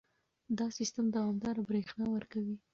دا سیستم دوامداره برېښنا ورکوي.